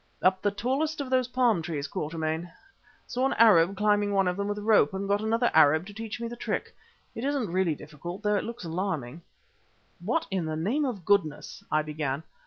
"Up the tallest of those palm trees, Quatermain. Saw an Arab climbing one of them with a rope and got another Arab to teach me the trick. It isn't really difficult, though it looks alarming." "What in the name of goodness " I began.